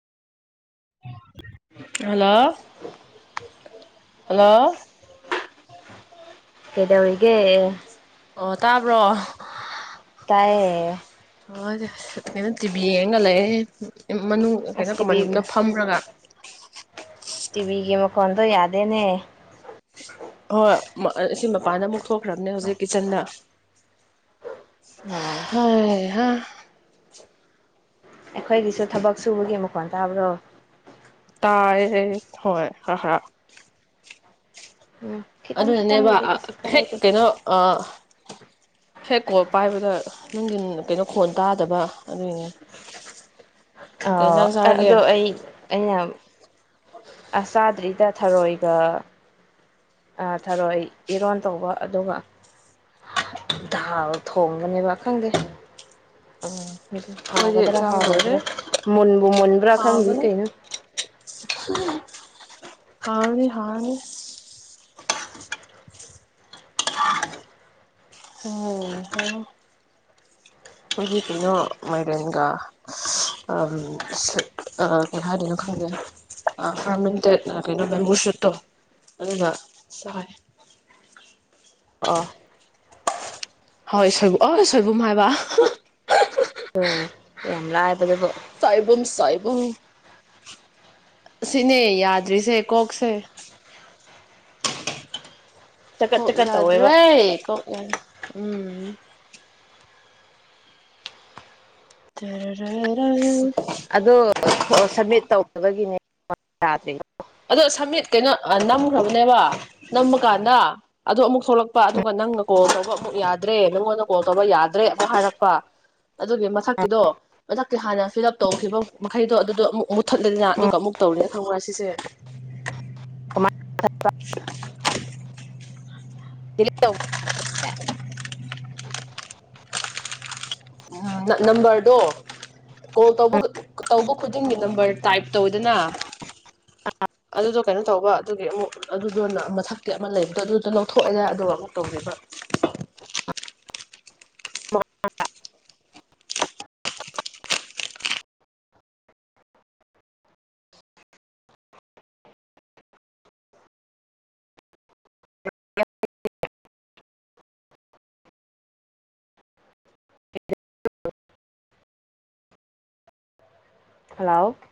ꯎ hello hello ꯀꯗ ꯍꯧꯔꯤꯒ ꯑꯣ ꯇꯥꯕ꯭ꯔꯣ ꯇꯥꯏꯌꯦ ꯍ ꯀꯩꯅꯣ ꯇꯤꯚꯤ ꯌꯦ ꯍꯡꯒꯜꯂꯛꯑꯦ ꯃꯅꯨꯡ ꯀꯩꯅꯣ ꯑꯁ ꯇꯤꯚꯤ ꯀꯃꯟꯗ ꯐꯝꯔꯒ ꯇꯤꯚꯤꯒꯤ ꯃꯈꯣꯟꯗꯣ ꯌꯥꯗꯦꯅꯦ ꯍꯣꯏ ꯑꯁꯤ ꯃꯄꯥꯟꯗ ꯑꯃꯨꯛ ꯊꯣꯛꯈ꯭ꯔꯕꯅꯦ ꯍꯧꯖꯤꯛ ꯀꯤꯠꯆꯟꯗ ꯑꯣ ꯍ ꯑ ꯑꯩꯈꯣꯏꯒꯤꯁꯨ ꯊꯕꯛ ꯁꯨꯕꯒꯤ ꯑꯃꯨꯛ ꯈꯟ ꯇꯥꯕ꯭ꯔꯣ ꯇꯥꯏ ꯍꯣꯏ ꯍꯥ ꯍꯥꯥ ꯎꯝ ꯈꯤꯇꯪ ꯑꯗꯨꯅꯅꯦꯕ ꯈꯤꯇꯪꯕꯨꯗꯤ ꯀꯩꯁꯨ ꯍꯦꯛ ꯀꯥꯏꯗꯦ ꯀꯩꯅꯣ ꯑ ꯍꯦꯛꯀꯣ ꯄꯥꯏꯕꯗ ꯅꯪꯒꯤ ꯀꯩꯅꯣ ꯈꯣꯟ ꯇꯥꯗꯕ ꯑꯗꯨꯅꯦ ꯑ ꯑꯗꯣ ꯑꯩ ꯑꯩꯅ ꯑ ꯆꯥꯗ꯭ꯔꯤꯗ ꯊꯔꯣꯏꯒ ꯊꯔꯣꯏ ꯏꯔꯣꯟ ꯇꯧꯕ ꯑꯗꯨꯒ ꯗꯥꯜ ꯊꯣꯡꯒꯅꯦꯕ ꯈꯪꯗꯦ ꯑꯗꯨ ꯑꯩꯈꯣꯏꯗꯤ ꯍꯥꯒꯗ꯭ꯔꯥ ꯆꯥꯕ ꯂꯣꯏꯔꯦ ꯍꯥꯥꯎꯒꯗ꯭ꯔꯥ ꯃꯨꯟꯕꯨ ꯃꯨꯟꯕ꯭ꯔꯥ ꯈꯪꯗꯦ ꯀꯩꯅꯣ ꯍꯥꯎꯔꯤ ꯍꯥꯎꯅꯤ ꯎꯝ ꯑꯩꯈꯣꯏꯗꯤ ꯀꯩꯅꯣ ꯃꯥꯏꯔꯦꯟꯒ ꯀꯩ ꯍꯥꯏꯅꯤꯅꯣ ꯈꯪꯗꯦ ꯐꯔꯃꯦꯟꯇꯦꯠ ꯀꯩꯅꯣ ꯕꯦꯝꯕꯨ ꯁꯨꯠꯇꯣ ꯑꯗꯨꯅ ꯆꯥꯏ ꯑ ꯍꯣꯏ ꯁꯣꯏꯕꯨꯝ ꯑ ꯁꯣꯏꯕꯨꯝ ꯍꯥꯏꯕ ꯎꯝ ꯌꯥꯝ ꯂ ꯍꯥꯏꯕꯗꯤ ꯁꯥꯥꯏꯕꯨꯝ ꯁꯥꯥꯏꯕꯨꯝ ꯁꯤꯅꯦ ꯌꯥꯗ꯭ꯔꯤꯁꯦ ꯀꯣꯛꯁꯦ ꯆꯀꯠ ꯀꯛ ꯆꯀꯠ ꯇꯧꯋꯦꯕ ꯌꯥꯗ꯭ꯔꯦ ꯀꯛ ꯌꯥꯗ꯭ꯔ ꯎꯝ ꯆꯔꯔꯔ ꯑꯗ ꯁꯕꯃꯤꯠ ꯇꯧꯕꯒꯤꯅꯦ ꯌꯥꯗ꯭ꯔꯤ ꯑꯗꯣ ꯁꯃꯤꯠ ꯀꯩꯅꯣ ꯅꯝꯈ꯭ꯔꯕꯅꯦꯕ ꯅꯃꯀꯥꯟꯗ ꯑꯗꯨ ꯑꯃꯨꯛ ꯊꯣꯛꯂꯛꯄ ꯑꯗꯨꯒ ꯅꯪꯅ ꯀꯣꯜ ꯇꯧꯕ ꯑꯃꯨꯛ ꯌꯥꯗ꯭ꯔꯦ ꯅꯪꯉꯣꯟꯗ ꯀꯣꯜ ꯇꯧꯕ ꯌꯥꯗ꯭ꯔꯦ ꯑꯃ ꯍꯥꯏꯔꯛꯄ ꯑꯗꯨꯒꯤ ꯃꯊꯛꯇꯤꯗꯣ ꯃꯊꯛꯇꯤ ꯍꯥꯟꯅ ꯐꯤꯜ ꯑꯞ ꯇꯧꯈꯤꯕ ꯃꯈꯩꯗꯣ ꯑꯗꯨꯗꯣ ꯑꯃꯨꯛ ꯃꯨꯠꯊꯠꯂꯅꯤꯅ ꯑꯗꯨꯒ ꯑꯃꯨꯛ ꯇꯧꯔꯦꯅ ꯈꯪꯈ꯭ꯔꯦ ꯁꯤꯁꯦ ꯀꯃꯥꯏ [unintelligible] ꯏ ꯅꯝꯕꯔꯗꯣ ꯀꯣꯜ ꯇ ꯇꯧꯕ ꯈꯨꯗꯤꯡꯒꯤ ꯅꯝꯕꯔ ꯇꯥꯏꯞ ꯇꯧꯋꯤꯗꯅ ꯑꯗꯨꯗꯣ ꯀꯩꯅꯣ ꯇꯧꯕ ꯑꯗꯨꯒꯤ ꯑꯃꯨꯛ ꯑꯗꯨꯗꯣ ꯃꯊꯛꯇꯤ ꯑꯃ ꯂꯩꯕꯗꯣ ꯑꯗꯨꯗꯣ ꯂꯧꯊꯣꯛꯑꯦꯗ ꯑꯗꯨꯒ ꯑꯃꯨꯛ ꯇꯧꯕꯤꯕ ꯍꯜꯂꯣ